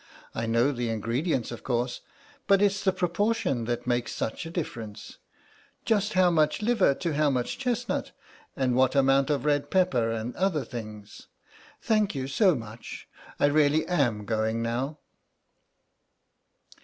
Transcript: I know the ingredients of course, but it's the proportions that make such a difference—just how much liver to how much chestnut, and what amount of red pepper and other things. Thank you so much. I really am going now."